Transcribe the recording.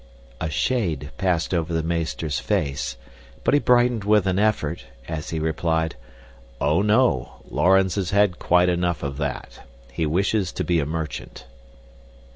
A shade passed over the meester's face, but he brightened with an effort as he replied, "Oh, no, Laurens has had quite enough of that. He wishes to be a merchant."